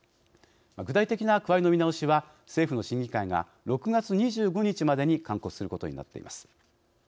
具体的な区割りの見直しは政府の審議会が６月２５日までに勧告することになっています。